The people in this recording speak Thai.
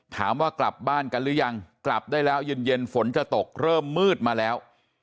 ถามว่ากลับบ้านกันหรือยังกลับได้แล้วเย็นฝนจะตกเริ่มมืดมาแล้ว